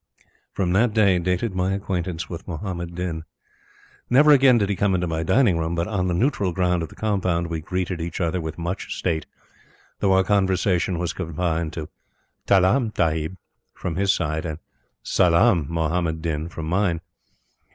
From that day dated my acquaintance with Muhammad Din. Never again did he come into my dining room, but on the neutral ground of the compound, we greeted each other with much state, though our conversation was confined to "Talaam, Tahib" from his side and "Salaam Muhammad Din" from mine.